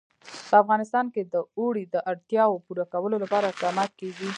په افغانستان کې د اوړي د اړتیاوو پوره کولو لپاره اقدامات کېږي.